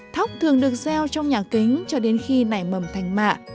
thóc thường được gieo trong nhà kính cho đến khi nảy mầm thành mạ